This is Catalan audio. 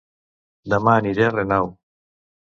Dema aniré a Renau